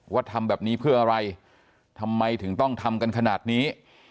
ทำแบบนี้เพื่ออะไรทำไมถึงต้องทำกันขนาดนี้